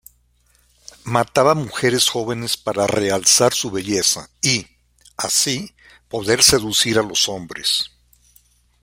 Mataba mujeres jóvenes para realzar su belleza y, así, poder seducir a los hombres.